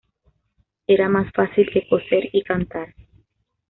Era más fácil que coser y cantar